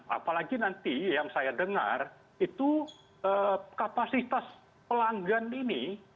apalagi nanti yang saya dengar itu kapasitas pelanggan ini